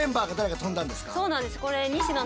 そうなんです。